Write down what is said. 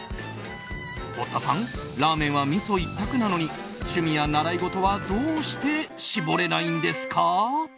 堀田さん、ラーメンはみそ一択なのに趣味や習い事はどうして絞れないんですか？